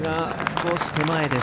少し手前です。